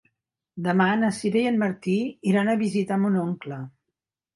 Demà na Sira i en Martí iran a visitar mon oncle.